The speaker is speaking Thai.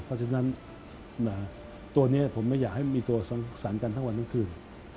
เพราะฉะนั้นตัวนี้ผมไม่อยากให้มีตัวสังสรรค์กันทั้งวันทั้งคืน